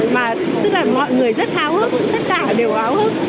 mà tức là mọi người rất hào hức tất cả đều háo hức